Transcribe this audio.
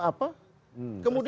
tiba tiba jadi calon presiden